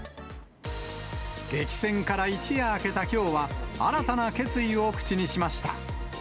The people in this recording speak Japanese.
激戦から一夜明けたきょうは、新たな決意を口にしました。